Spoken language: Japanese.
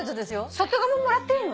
外側ももらっていいの？